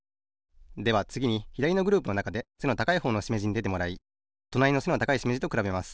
ではつぎにひだりのグループのなかで背の高いほうのしめじにでてもらいとなりの背の高いしめじとくらべます。